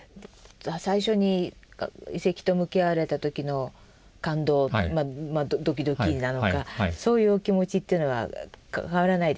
最初に遺跡と向き合われた時の感動ドキドキなのかそういうお気持ちというのは変わらないですか？